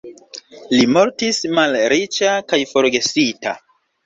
Li mortis malriĉa kaj forgesita.